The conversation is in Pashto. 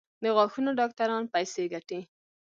د غاښونو ډاکټران پیسې ګټي؟